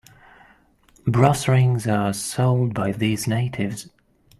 Brass rings are sold by these natives.